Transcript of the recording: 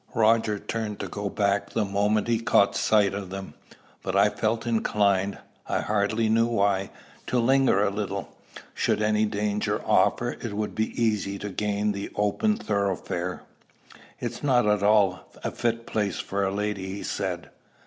Roger turned to go back the moment he caught sight of them; but I felt inclined, I hardly knew why, to linger a little. Should any danger offer, it would be easy to gain the open thoroughfare. "It's not at all a fit place for a lady," he said.